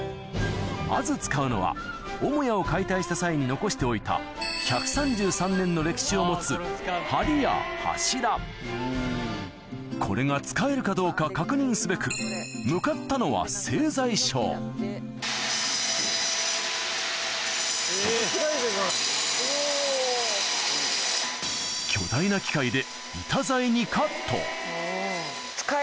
まず使うのは母屋を解体した際に残しておいたこれが使えるかどうか確認すべく向かったのは巨大な機械で・